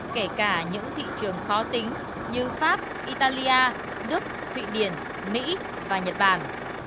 kể cả những thị trường khó tính như pháp italia đức thụy điển mỹ và nhật bản